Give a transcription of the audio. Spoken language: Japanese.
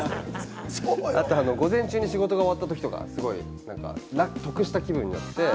午前中に仕事が終わったときとか、得した気分になって。